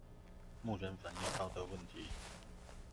目前反應到的問題